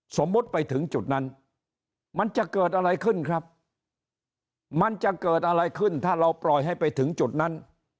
สมมุติไปถึงจุดนั้นมันจะเกิดอะไรขึ้นครับมันจะเกิดอะไรขึ้นถ้าเราปล่อยให้ไปถึงจุดนั้น